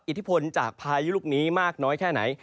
อิทธิพลจากพายุลูกนี้มากน้อยแค่ไหน